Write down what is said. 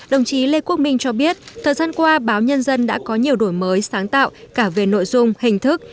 đồng chí lê quốc minh cho biết thời gian qua báo nhân dân đã có nhiều đổi mới sáng tạo cả về nội dung hình thức